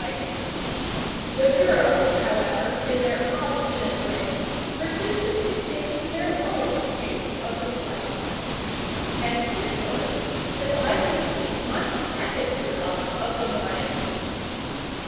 The girls, however, in their obstinate way, persisted in taking their own view of the slight. Hence it was that I received my second rebuff of the morning.